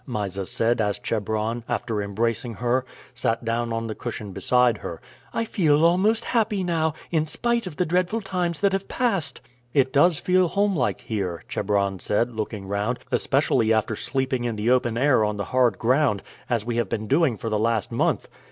Mysa said as Chebron, after embracing her, sat down on the cushion beside her. "I feel almost happy now, in spite of the dreadful times that have passed." "It does feel homelike here," Chebron said, looking round, "especially after sleeping in the open air on the hard ground, as we have been doing for the last month."